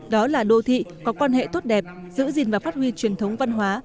đó là đô thị có quan hệ tốt đẹp giữ gìn và phát huy truyền thống văn hóa